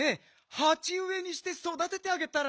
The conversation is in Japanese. はちうえにしてそだててあげたら？